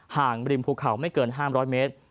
ห่างริมภูเขาไม่เกิน๕๐๐เมตร